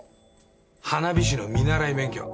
花火師の見習い免許。